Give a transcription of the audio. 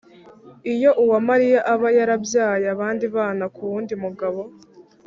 iyo uwamariya aba yarabyaye abandi bana k’uwundi mugabo,